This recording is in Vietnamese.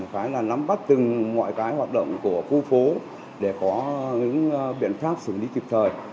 phải nắm bắt từng mọi hoạt động của khu phố để có những biện pháp xử lý kịp thông